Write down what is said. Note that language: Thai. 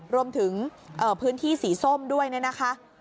รวมถึงพื้นที่สีส้มด้วยเนี่ยนะคะ